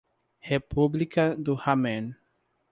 República do Ramen